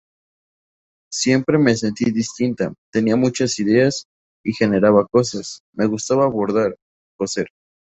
Siempre me sentí distinta; tenía muchas ideas y generaba cosas: me gustaba bordar, coser.